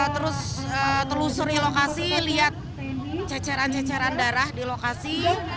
terus telusuri lokasi lihat ceceran ceceran darah di lokasi